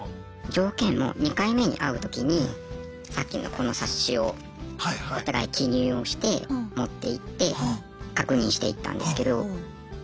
条件も２回目に会う時にさっきのこの冊子をお互い記入をして持っていって確認していったんですけどま